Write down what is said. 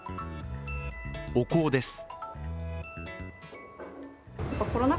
お香です。